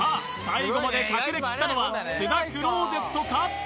最後まで隠れきったのは須田クローゼットか？